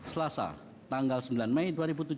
selasa tanggal sembilan mei dua ribu tujuh belas